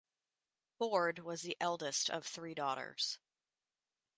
Ford was the eldest of three daughters.